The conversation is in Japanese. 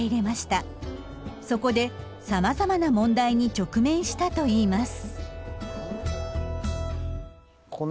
そこでさまざまな問題に直面したといいます。